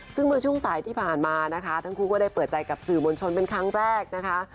ซึ่งเมื่อช่วงสายที่ผ่านมานะคะทั้งคู่ก็ได้เปิดใจกับสื่อมวลชนเป็นครั้งแรกนะคะ